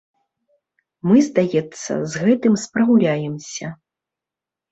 Мы, здаецца, з гэтым спраўляемся.